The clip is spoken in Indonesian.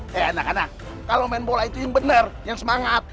kayak anak anak kalau main bola itu yang benar yang semangat